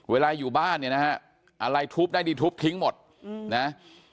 อยู่บ้านเนี่ยนะฮะอะไรทุบได้ดีทุบทิ้งหมดนะ